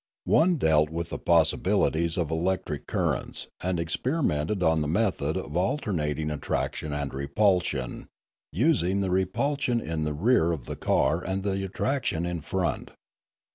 One dealt with the possibilities of electric cur rents, and experimented on the method of alternating attraction and repulsion, using the repulsion in the rear of the car and the attraction in front.